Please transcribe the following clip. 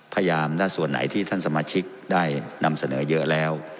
ณส่วนไหนที่ท่านสมาชิกได้นำเสนอเยอะแล้ว